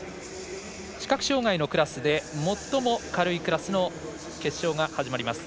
視覚障がいのクラスで最も軽いクラスの決勝が始まります。